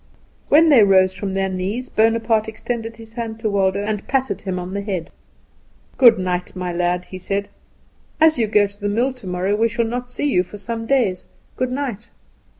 When they rose from their knees Bonaparte extended his hand to Waldo, and patted him on the head. "Good night, my lad," said he. "As you go to the mill tomorrow, we shall not see you for some days. Good night!